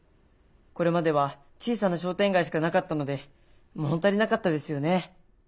これまでは小さな商店街しかなかったので物足りなかったですよね。